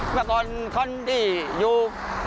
กระดูกคนที่อยู่